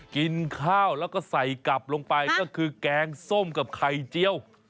กินข้าวแล้วก็ใส่กลับลงไปก็คือแกงส้มกับไข่เจียว